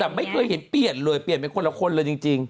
แต่ไม่เคยเห็นเปลี่ยนเลยเปลี่ยนเป็นคนละคนเลยจริง